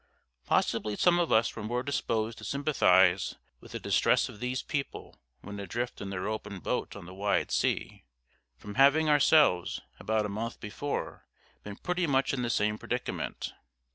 Possibly some of us were more disposed to sympathise with the distress of these people when adrift in their open boat on the wide sea, from having ourselves, about a month before, been pretty much in the same predicament.